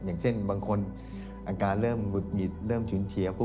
อย่างเช่นบางคนอาการเริ่มหุดหงิดเริ่มฉุนเฉียวุ